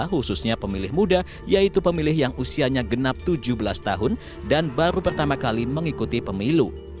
khususnya pemilih muda yaitu pemilih yang usianya genap tujuh belas tahun dan baru pertama kali mengikuti pemilu